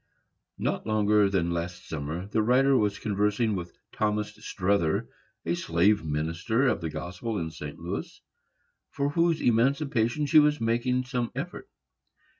Not longer ago than last summer, the writer was conversing with Thomas Strother, a slave minister of the gospel in St. Louis, for whose emancipation she was making some effort.